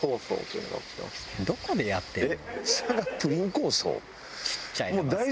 「どこでやってるの？」